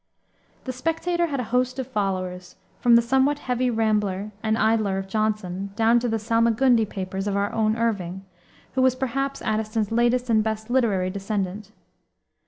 The Spectator had a host of followers, from the somewhat heavy Rambler and Idler of Johnson, down to the Salmagundi papers of our own Irving, who was, perhaps, Addison's latest and best literary descendant.